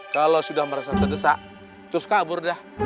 kalau sudah merasa terdesak terus kabur dah